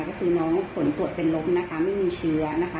ก็คือน้องผลตรวจเป็นลบนะคะไม่มีเชื้อนะคะ